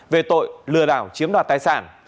về tội lừa đảo chiếm đoạt tài sản